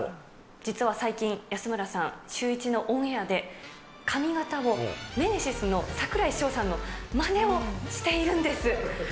実は最近、安村さん、シューイチのオンエアで、髪形をネメシスの櫻井翔さんのまねをしているんです。